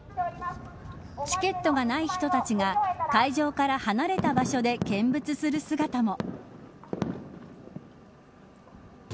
チケットがない人たちが会場から離れた場所で見物する姿も。